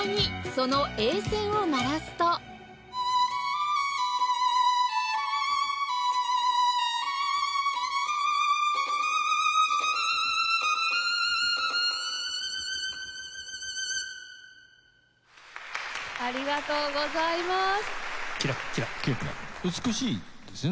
そしてこのありがとうございます。